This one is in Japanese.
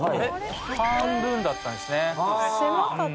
半分だったんですね。